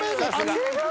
すごーい。